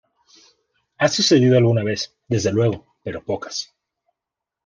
Ha sucedido alguna vez, desde luego, pero pocas.